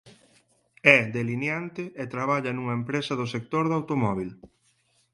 É delineante e traballa nunha empresa do sector do automóbil.